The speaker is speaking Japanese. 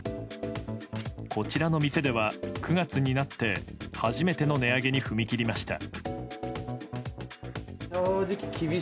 こちらの店では９月になって初めての値上げに踏み切りました。